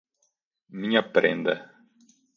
Minha prenda